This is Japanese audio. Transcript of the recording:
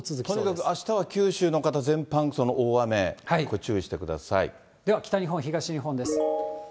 とにかくあしたは九州の方、全般、その大雨、注意してくださでは北日本、東日本です。